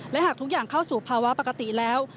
และหากทุกอย่างเข้าสู่ภาวะปกติแล้ว